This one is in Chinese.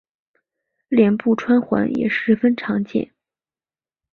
脸部穿环也十分常见。